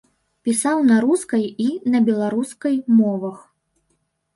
Пісаў на рускай і на беларускай мовах.